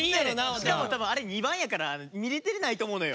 しかも多分あれ２番やから見れてないと思うのよ。